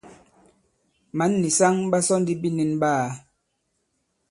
Mǎn nì saŋ ɓa sɔ ndi binīn ɓaā.